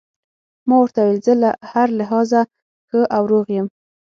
ما ورته وویل: زه له هر لحاظه ښه او روغ یم.